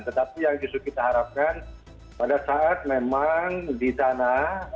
tetapi yang justru kita harapkan pada saat memang di sana